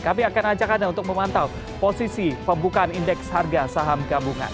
kami akan ajak anda untuk memantau posisi pembukaan indeks harga saham gabungan